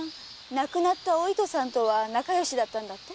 亡くなったお糸さんと仲よしだったんだって？